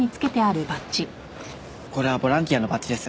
これはボランティアのバッジです。